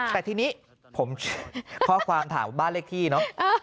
แต่ทีนี้ผมข้อความถามบ้านเลขที่เนอะ